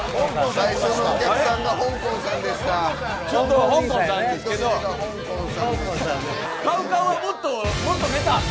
最初のお客さんがほんこんさんでした。